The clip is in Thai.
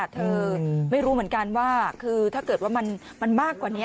เธอไม่รู้เหมือนกันว่าคือถ้าเกิดว่ามันมากกว่านี้